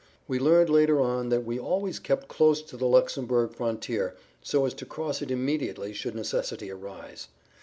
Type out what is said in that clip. We learned later on that we always kept close to the Luxemburg frontier so as to cross it immediately should necessity arise.